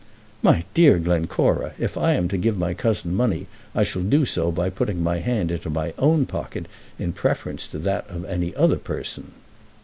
"My dear Glencora, if I am to give my cousin money I shall do so by putting my hand into my own pocket in preference to that of any other person."